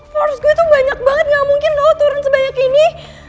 force gue tuh banyak banget gak mungkin loh turun sebanyak ini